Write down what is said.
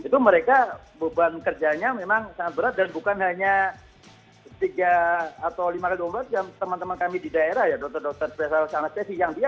bukan hanya tiga atau lima ke dua jam teman teman kami di daerah ya dokter dokter presiden yang dia